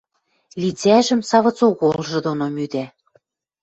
лицӓжӹм савыц оголжы доно мӱдӓ.